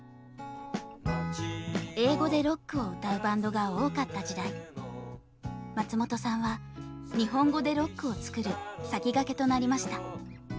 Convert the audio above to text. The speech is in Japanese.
英語でロックを歌うバンドが多かった時代松本さんは日本語でロックを作る先駆けとなりました。